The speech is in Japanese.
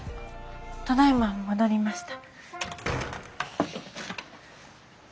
ただいま戻りました。